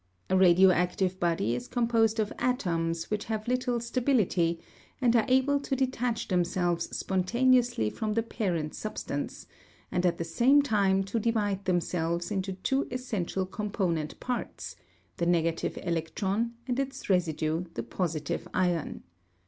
A radioactive body is composed of atoms which have little stability, and are able to detach themselves spontaneously from the parent substance, and at the same time to divide themselves into two essential component parts, the negative electron and its residue the positive ion.